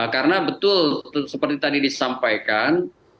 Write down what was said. karena betul seperti tadi disampaikan